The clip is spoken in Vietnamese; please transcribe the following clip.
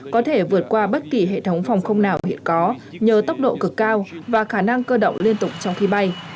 có thể vượt qua bất kỳ hệ thống phòng không nào hiện có nhờ tốc độ cực cao và khả năng cơ động liên tục trong khi bay